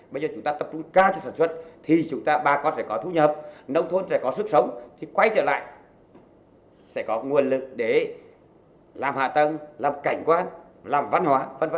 bây giờ chúng ta tập trung cao cho sản xuất thì chúng ta bà con sẽ có thu nhập nông thôn sẽ có sức sống thì quay trở lại sẽ có nguồn lực để làm hạ tầng làm cảnh quan làm văn hóa v v